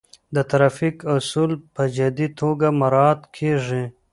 د ترافیک اصول په جدي توګه مراعات کیږي.